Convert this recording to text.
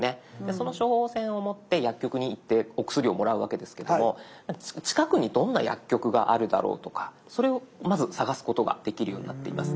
その処方箋を持って薬局に行ってお薬をもらうわけですけども近くにどんな薬局があるだろうとかそれをまず探すことができるようになっています。